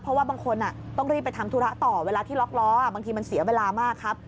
เพราะว่าบางคนต้องรีบไปทำธุระต่อเวลาที่ล็อกล้อบางทีมันเสียเวลามากครับ